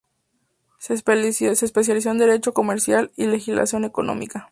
Se especializó en Derecho Comercial y Legislación Económica.